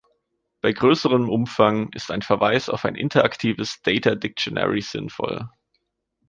Bei größerem Umfang ist ein Verweis auf ein interaktives Data-Dictionary sinnvoll.